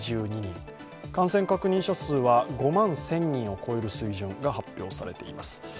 感染確認者数は５万１０００人を超える数字が発表されています。